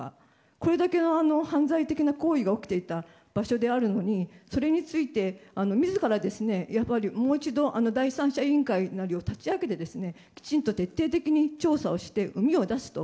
これだけの犯罪的な行為が起きていた場所であるのにそれについて、自らの役割をもう一度、第三者委員会などを立ち上げてきちんと徹底的に調査をしてうみを出すと。